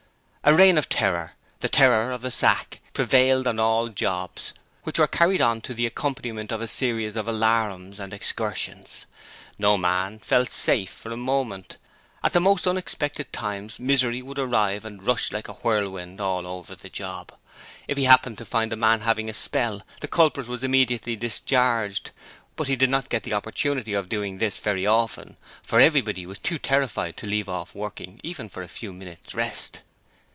A reign of terror the terror of the sack prevailed on all the 'jobs', which were carried on to the accompaniment of a series of alarums and excursions: no man felt safe for a moment: at the most unexpected times Misery would arrive and rush like a whirlwind all over the 'job'. If he happened to find a man having a spell the culprit was immediately discharged, but he did not get the opportunity of doing this very often for everybody was too terrified to leave off working even for a few minutes' rest.